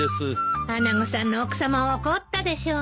穴子さんの奥さまは怒ったでしょうね。